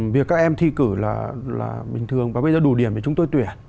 việc các em thi cử là bình thường và bây giờ đủ điểm để chúng tôi tuyển